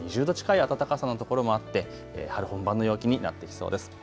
２０度近い暖かさのところもあって春本番の陽気になってきそうです。